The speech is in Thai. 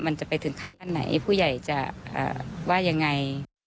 มันจะไปถึงขั้นไหนผู้ใหญ่จะว่ายังไง